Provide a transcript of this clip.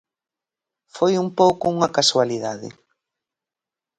Foi un pouco unha casualidade.